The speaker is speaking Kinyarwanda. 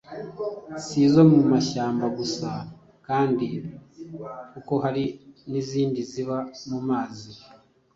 Si izo mu ishyamba gusa kandi, kuko hari n’izindi ziba mu mazi,